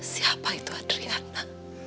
siapa itu adriana